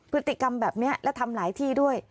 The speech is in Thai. พฤติกรรมแบบนี้และทำหลายที่ด้วย